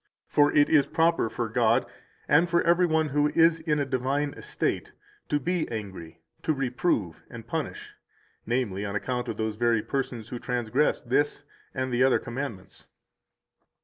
For it is proper for God and for every one who is in a divine estate to be angry, to reprove and punish, namely, on account of those very persons who transgress this and the other commandments.